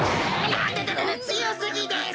あたたたつよすぎです！